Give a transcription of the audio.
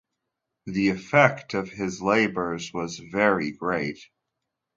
The effect of his labours was very great.